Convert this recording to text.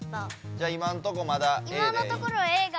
じゃあ今んとこまだＡで。